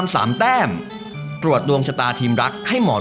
สวัสดีครับ